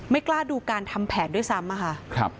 กล้าดูการทำแผนด้วยซ้ำอะค่ะ